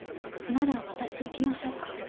なら私行きましょうか？